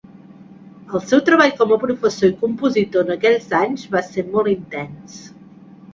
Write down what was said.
El seu treball com a professor i compositor en aquells anys van ser molt intens.